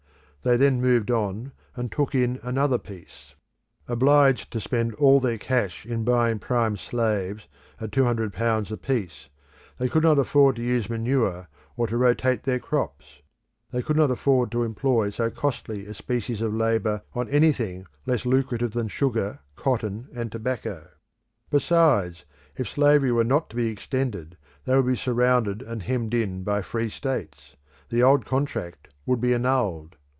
They then moved on and took in another piece. Obliged to spend all their cash in buying prime slaves at two hundred pounds a piece, they could not afford to use manure or to rotate their crops; they could not afford to employ so costly a species of labour on anything less lucrative than sugar, cotton, and tobacco. Besides, if slavery were not to be extended they would be surrounded and hemmed in by free states; the old contract would be annulled.